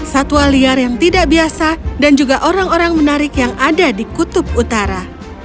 satwa liar yang tidak biasa dan juga orang orang menarik yang ada di kutub utara